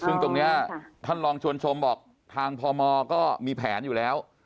ซึ่งตรงนี้ท่านลองชวนชมบอกทางพมก็มีแผนอยู่แล้ว